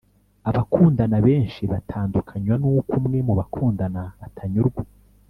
abakundana benshi batandukanywa n’uko umwe mu bakundana atanyurwa